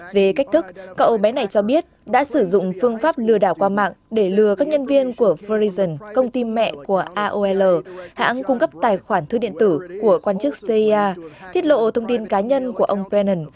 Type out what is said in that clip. về cách thức cậu bé này cho biết đã sử dụng phương pháp lừa đảo qua mạng để lừa các nhân viên của ferlin công ty mẹ của ao hãng cung cấp tài khoản thư điện tử của quan chức cia thiết lộ thông tin cá nhân của ông bran